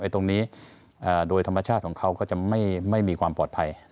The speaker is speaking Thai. ตรงนี้โดยธรรมชาติของเขาก็จะไม่มีความปลอดภัย